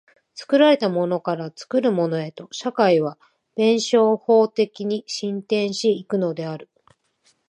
作られたものから作るものへと、社会は弁証法的に進展し行くのである。